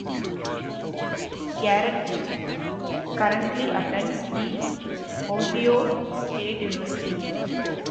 Garrett currently attends The Ohio State University.